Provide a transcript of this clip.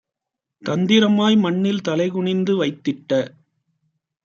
தந்திரமாய் மண்ணில் தலைகுனிந்து வைத்திட்ட